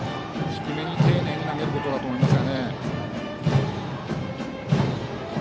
低めに丁寧に投げることだと思います。